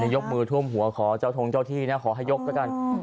ยกมือท่วมหัวขอเจ้าทงเจ้าที่นะขอให้ยกแล้วกัน